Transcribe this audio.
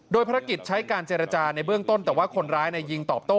ภารกิจใช้การเจรจาในเบื้องต้นแต่ว่าคนร้ายยิงตอบโต้